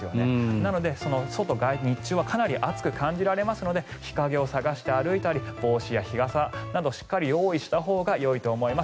なので日中は外はかなり暑く感じられますので日陰を探して歩いたり帽子や日傘などしっかり用意したほうがよいと思います。